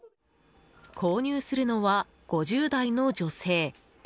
購入するのは５０代の女性。